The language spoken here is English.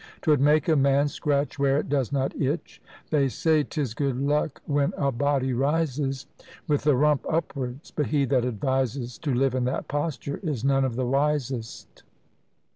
'Twould make a man scratch where it does not itch! They say 'tis good luck when a body rises With the rump upwards; but he that advises To live in that posture, is none of the wisest.